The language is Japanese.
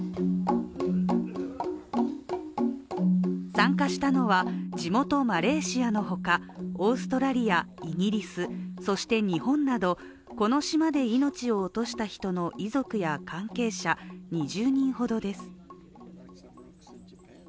参加したのは、地元マレーシアのほかオーストラリア、イギリス、そして日本などこの島で命を落とした人の遺族や関係者２０人ほどです。